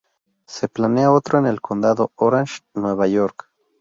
Se planea otro en el Condado Orange, Nueva York.